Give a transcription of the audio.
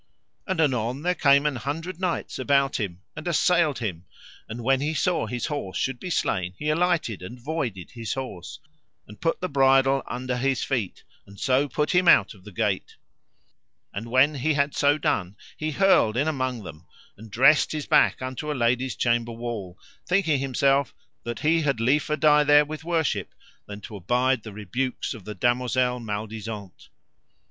And anon there came an hundred knights about him and assailed him; and when he saw his horse should be slain he alighted and voided his horse, and put the bridle under his feet, and so put him out of the gate. And when he had so done he hurled in among them, and dressed his back unto a lady's chamber wall, thinking himself that he had liefer die there with worship than to abide the rebukes of the damosel Maledisant.